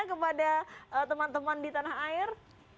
kepada teman teman di tanah air